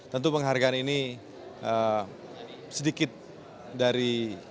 tentu penghargaan ini sedikit dari